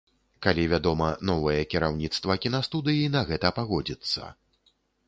Калі, вядома, новае кіраўніцтва кінастудыі на гэта пагодзіцца.